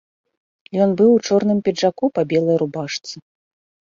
Ён быў у чорным пінжаку па белай рубашцы.